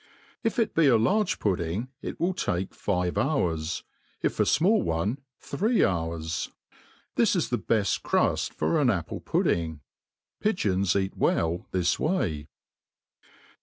If it be a large pudding, it will take five hours; if a fmall one, three hours. This is the beft cruft for an apple pudding. Pigeons eat well this way.